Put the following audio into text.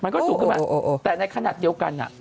มันก็สูงขึ้นมาแต่ในขณะเดียวกัน